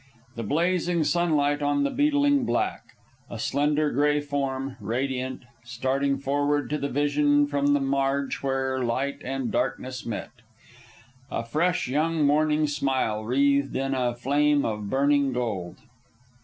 The blazing sunlight on the beetling black; a slender gray form, radiant, starting forward to the vision from the marge where light and darkness met; a fresh young morning smile wreathed in a flame of burning gold.